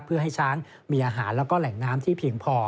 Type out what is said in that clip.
เพื่อให้ช้างมีอาหารแล้วก็แหล่งน้ำที่เพียงพอ